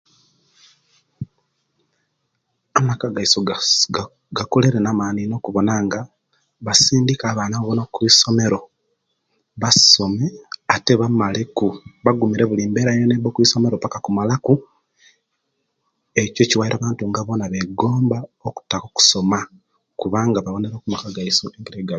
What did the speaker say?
Amaka gaisu ga gakolere namani ino okubona nga basindika abana bonabona kwisomero basome ate bamaleku bagumire bulimbera yona yona eba kwisomero paka kumalaku echo ekiwaire abantu nga bona begomba okutaka okusoma kubanga bawonera kumaka gaisu